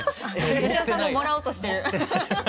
芳雄さんももらおうとしてる。